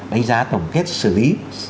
đánh giá tổng kết xử lý